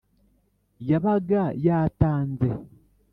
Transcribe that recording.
yabaga yatanze.